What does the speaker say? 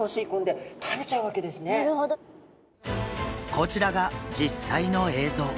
こちらが実際の映像。